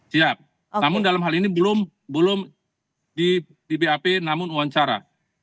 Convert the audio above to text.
siap namun dalam hal ini belum di bap namun wawancara